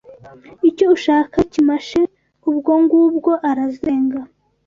Icyo ushaka kimashe Ubwo ngubwo arazenga